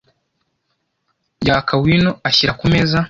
Yaka wino ashyira ku meza,